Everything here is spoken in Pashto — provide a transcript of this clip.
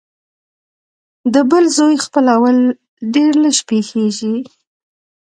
د بل زوی خپلول ډېر لږ پېښېږي